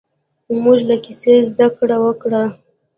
موږ له کیسې زده کړه وکړه.